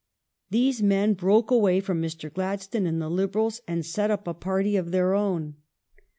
These men broke away from Mr. Gladstone and the Liberals and set up a party of their own.